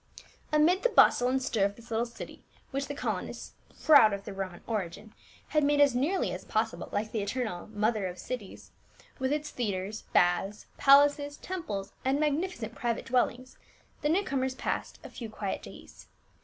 Amid the bustle and stir of this little city, which the colonists, proud of their Roman origin, had made as nearly as possible like the eternal Mother of Cities, with its theatres, baths, palaces, temples, and magnifi cent private dwellings, the new comers passed a few quiet days.